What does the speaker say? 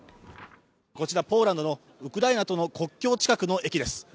こちらポーランドのウクライナとの国境近くの駅です。